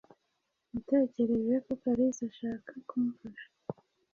Natekereje ko Kalisa ashaka kumfasha.